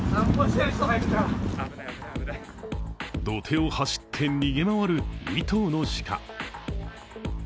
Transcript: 土手を走って逃げ回る２頭の鹿。